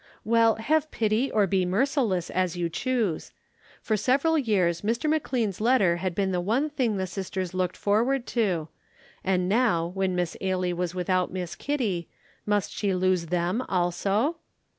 Well, have pity or be merciless as you choose. For several years Mr. McLean's letters had been the one thing the sisters looked forward to, and now, when Miss Ailie was without Miss Kitty, must she lose them also?